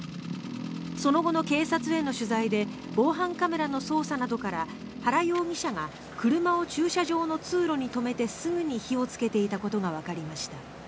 その後の警察への取材で防犯カメラの捜査などから原容疑者が車を駐車場の通路に止めてすぐに火をつけていたことがわかりました。